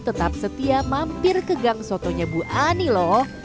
tetap setia mampir ke gang sotonya bu ani loh